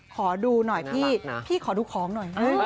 ขอดูหน่อยพี่พี่ขอดูของหน่อย